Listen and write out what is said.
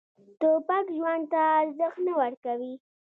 توپک ژوند ته ارزښت نه ورکوي.